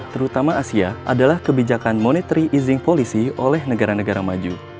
terutama asia adalah kebijakan monetary easing policy oleh negara negara maju